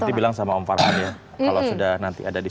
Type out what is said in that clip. nanti bilang sama om parman ya kalau sudah nanti ada di sini